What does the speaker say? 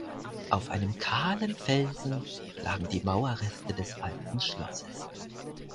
Auf einem kahlen Felsen lagen die Mauerreste des Alten Schlosses.